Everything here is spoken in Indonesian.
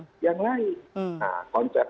nah yang lain nah konsep